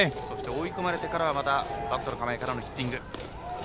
追い込まれてからは、またバットを構えてからのヒッティング。